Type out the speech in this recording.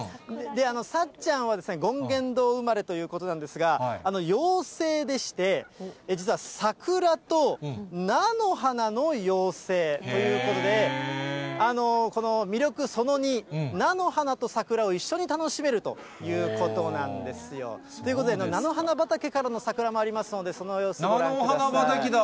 さっちゃんはですね、権現堂生まれということなんですが、妖精でして、実は桜と菜の花の妖精ということで、この魅力その２、菜の花と桜を一緒に楽しめるということなんですよ。ということで、菜の花畑からの桜もありますので、その様子をご覧菜の花畑だ。